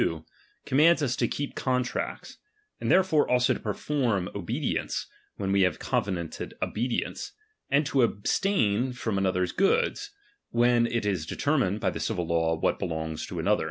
2) commands us to keep contracts; and therefore also to perform obedience, when we have covenanted obedience, and to abstain from another's goods, when it is determined by the civil law what belongs to another.